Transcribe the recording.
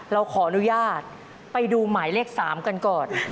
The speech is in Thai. เราขออนุญาตไปดูหมายเลข๓กันก่อน